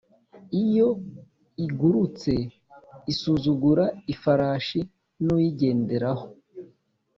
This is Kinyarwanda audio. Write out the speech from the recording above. Iyo igurutse Isuzugura ifarashi n uyigenderaho